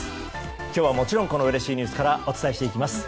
今日はもちろんこのうれしいニュースからお伝えしていきます。